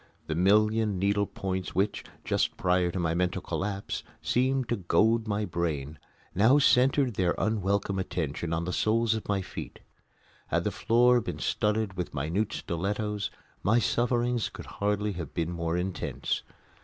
The million needle points which, just prior to my mental collapse, seemed to goad my brain, now centred their unwelcome attention on the soles of my feet. Had the floor been studded with minute stilettos my sufferings could hardly have been more intense.